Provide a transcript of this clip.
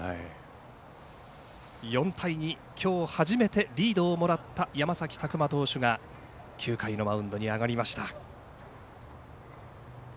４対２、きょう初めてリードをもらった山崎琢磨投手が９回のマウンドに上がりました。